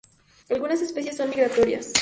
Algunas especies son migratorias.